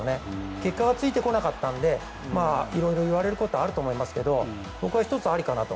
結果がついてこなかったので色々言われることはあると思いますけど僕は１つありかなと。